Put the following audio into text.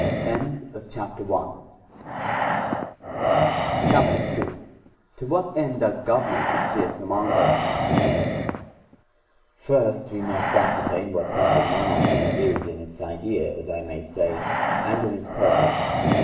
* CHAPTER II 7"f what end does government exist among all men ? I. First, we must ascertain what temporal Monarchy is in its idea, as I may say, and in its purpose.